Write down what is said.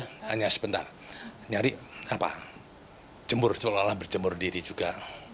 hanya sebentar nyari jemur solalah berjemur diri juga